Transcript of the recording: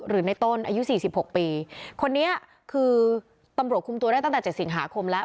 หรือในต้นอายุ๔๖ปีคนนี้คือตำรวจคุมตัวได้ตั้งแต่๗สิงหาคมแล้ว